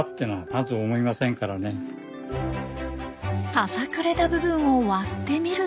ささくれた部分を割ってみると。